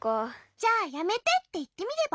じゃあやめてっていってみれば？